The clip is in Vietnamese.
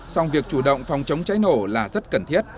song việc chủ động phòng chống cháy nổ là rất cần thiết